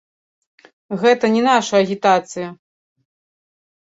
Гэта не наша агітацыя!